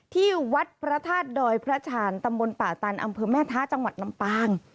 ที่วัดพระธาตุดอยพระชาญตำบลป่าตันอำเภอแม่ท้าจังหวัดลำปาง